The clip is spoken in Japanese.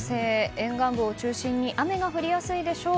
沿岸部を中心に雨が降りやすいでしょう。